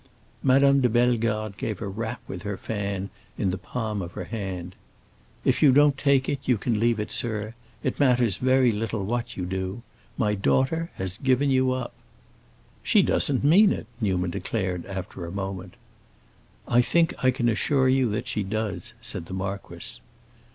Madame de Bellegarde gave a rap with her fan in the palm of her hand. "If you don't take it you can leave it, sir. It matters very little what you do. My daughter has given you up." "She doesn't mean it," Newman declared after a moment. "I think I can assure you that she does," said the marquis.